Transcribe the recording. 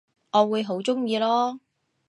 我會好鍾意囉